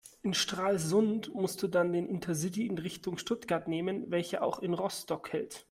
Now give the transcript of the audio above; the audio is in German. In Stralsund musst du dann den Intercity in Richtung Stuttgart nehmen, welcher auch in Rostock hält.